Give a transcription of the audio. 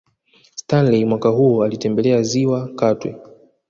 Stanley mwaka huo alitembelea Ziwa Katwe